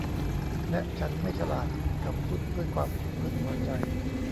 และฉันไม่ฉลาด เขาพูดด้วยความพึงพอใจ